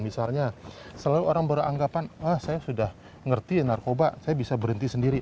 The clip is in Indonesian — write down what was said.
misalnya selalu orang beranggapan ah saya sudah ngerti narkoba saya bisa berhenti sendiri